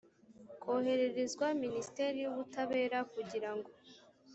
kohererezwa minisiteri y ubutabera kugira ngo